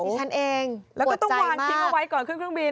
ฉันเองแล้วก็ต้องวางทิ้งเอาไว้ก่อนขึ้นเครื่องบิน